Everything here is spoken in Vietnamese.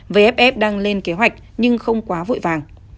vff đang lên kế hoạch nhưng không quá vội vàng